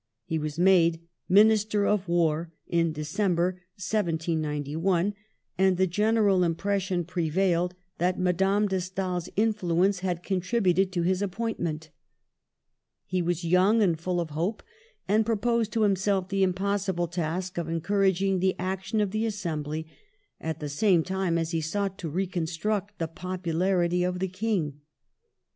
He was made Minister of War in December, 1791, and the general impres sion prevailed that Madame de Stael's influence Digitized by VjOOQIC 58 MADAME DE STAEL had contributed to his appointment He was young and full of hope, and proposed to himself the impossible task of encouraging the action of the Assembly at the same time as he sought to reconstruct the popularity of the King.